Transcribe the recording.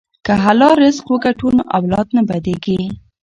که حلال رزق وګټو نو اولاد نه بد کیږي.